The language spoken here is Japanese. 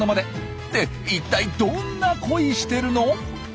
っていったいどんな恋してるの！？